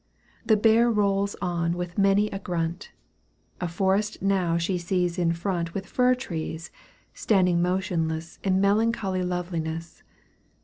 The bear rolls on with many a grunt : A forest now she sees in front With fir trees standing motionless In melancholy loveliness.